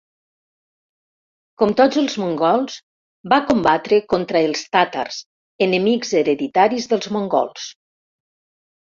Com tots els mongols va combatre contra els tàtars, enemics hereditaris dels mongols.